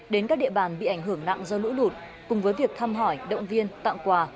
đến các địa bàn bị ảnh hưởng nặng do lũ lụt cùng với việc thăm hỏi động viên tặng quà